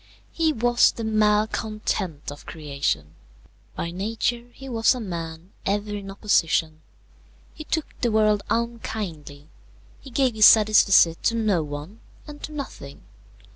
He was the malcontent of creation. By nature he was a man ever in opposition. He took the world unkindly; he gave his satisfecit to no one and to nothing.